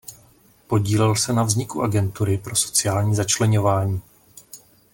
Podílel se na vzniku Agentury pro sociální začleňování.